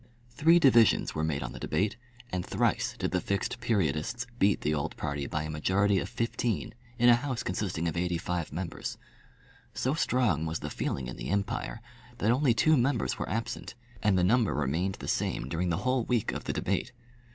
Three divisions were made on the debate, and thrice did the Fixed Periodists beat the old party by a majority of fifteen in a House consisting of eighty five members. So strong was the feeling in the empire, that only two members were absent, and the number remained the same during the whole week of the debate.